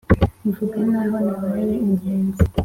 Mvuga n’aho nabaye ingenzi